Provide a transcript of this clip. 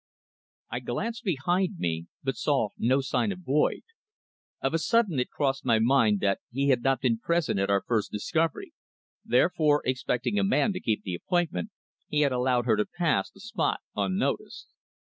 I glanced behind me, but saw no sign of Boyd. Of a sudden it crossed my mind that he had not been present at our first discovery; therefore, expecting a man to keep the appointment, he had allowed her to pass the spot unnoticed.